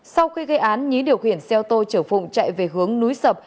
sau khi gây án nhí điều khiển xe ô tô chở phụng chạy về hướng núi sập